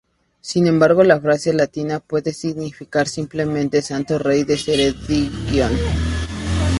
Sin embargo, la frase latina puede significar simplemente "santo rey de Ceredigion".